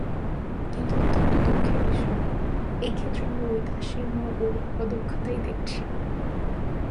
কিন্তু অত্যন্ত দুঃখের বিষয়, এ ক্ষেত্রে আমরা ঔদাসীন্য ও অদক্ষতাই দেখছি।